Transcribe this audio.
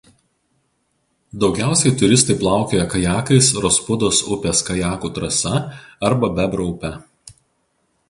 Daugiausiai turistai plaukioja kajakais Rospudos upės kajakų trasa arba Bebro upe.